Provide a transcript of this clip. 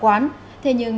giúp gắn kết cộng đồng